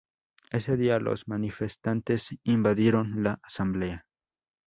Ese día los manifestantes invadieron la Asamblea.